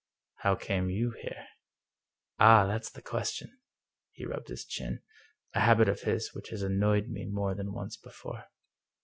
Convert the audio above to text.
"How came you here?" " Ah, that's the question." He rubbed his chin — a habit of his which has annoyed me more than once before.